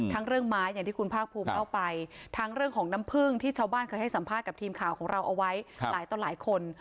เรื่องไม้อย่างที่คุณภาคภูมิเล่าไปทั้งเรื่องของน้ำผึ้งที่ชาวบ้านเคยให้สัมภาษณ์กับทีมข่าวของเราเอาไว้หลายต่อหลายคน